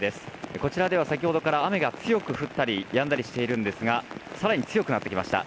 こちらでは先ほどから雨が強く降ったりやんだりしているんですが更に強くなってきました。